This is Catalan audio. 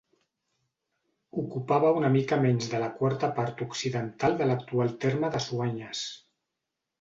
Ocupava una mica menys de la quarta part occidental de l'actual terme de Soanyes.